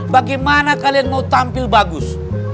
bagaimana kalian mau tampil bagus